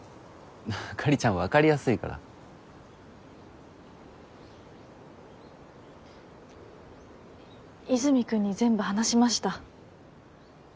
あかりちゃん分かりやすいから和泉君に全部話しました